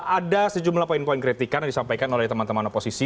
ada sejumlah poin poin kritikan yang disampaikan oleh teman teman oposisi